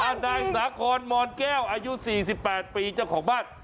อันดังสาขนหมอนแก้วอายุ๔๘ปีเจ้าของบ้าน